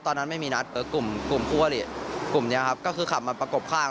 ตอนนั้นไม่มีนัดกลุ่มคู่อริกลุ่มนี้ครับก็คือขับมาประกบข้าง